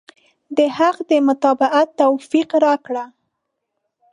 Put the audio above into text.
د حق د متابعت توفيق راکړه.